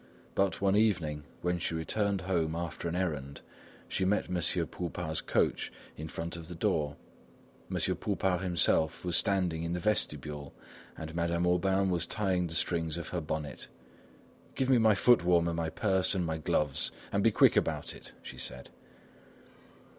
But, one evening, when she returned home after an errand, she met M. Boupart's coach in front of the door; M. Boupart himself was standing in the vestibule and Madame Aubain was tying the strings of her bonnet. "Give me my foot warmer, my purse and my gloves; and be quick about it," she said.